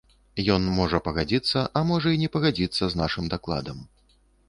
Ён можа пагадзіцца, а можа і не пагадзіцца з нашым дакладам.